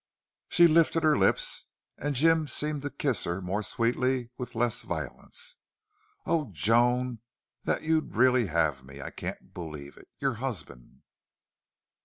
She lifted her lips and Jim seemed to kiss her more sweetly, with less violence. "Oh, Joan, that you'd really have me! I can't believe it.... Your HUSBAND."